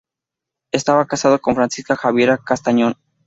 Estaba casado con Francisca Javiera Castañón.